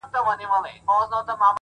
د زاړه عکس څنډې تل لږ تاو وي!.